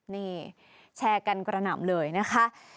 นี่แชร์กันกระหน่ำเลยนะคะ